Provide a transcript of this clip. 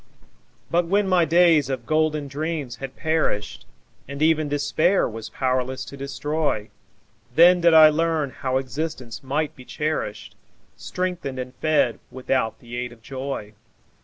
But when my days of golden dreams had perished, And even Despair was powerless to destroy, Then did I learn how existence might be cherished, Strengthened and fed without the aid of joy.